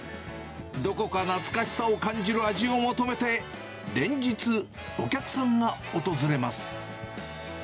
どこか懐かしさを感じる味を求めて、連日、お客さんが訪れます。